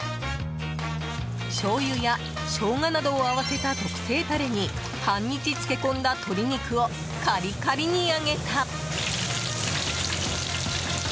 しょうゆやショウガなどを合わせた特製タレに半日漬け込んだ鶏肉をカリカリに揚げた。